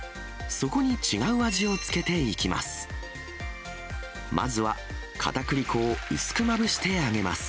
そこに違う味を付けていきます。